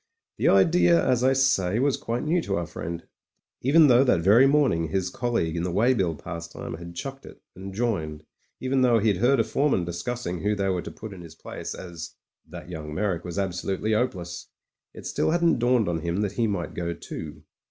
The idea, as I say, was quite new to our friend. Even though that very morning his colleague in the weigh bill pastime had chucked it and joined, even though he'd heard a foreman discussing who they were to put in his place as "that young Meyrick was habsolutely 'opeless," it still hadn't dawned on him that he might go too.